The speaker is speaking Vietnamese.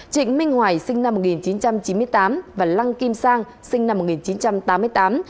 trịnh minh hoài sinh năm một nghìn chín trăm chín mươi tám và lăng kim sang sinh năm một nghìn chín trăm tám mươi tám